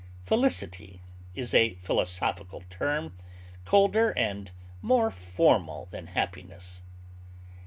Felicity is a philosophical term, colder and more formal than happiness.